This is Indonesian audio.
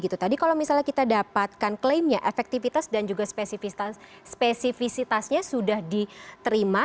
tadi kalau misalnya kita dapatkan klaimnya efektivitas dan juga spesifisitasnya sudah diterima